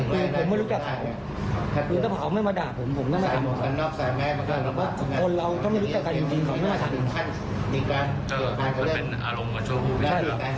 มันเป็นอารมณ์กลัวช่วยผู้พิธี